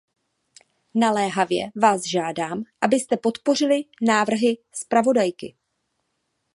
Naléhavě vás žádám, abyste podpořili návrhy zpravodajky.